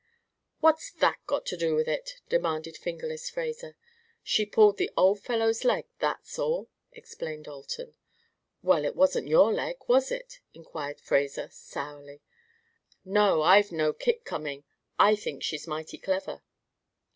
"What's that got to do with it?" demanded "Fingerless" Fraser. "She pulled the old fellow's leg, that's all," explained Alton. "Well, it wasn't your leg, was it?" inquired Fraser, sourly. "No; I've no kick coming. I think she's mighty clever."